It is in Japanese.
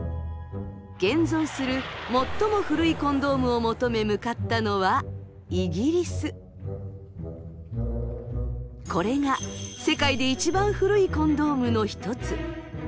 現存する最も古いコンドームを求め向かったのはこれが世界で一番古いコンドームの一つ。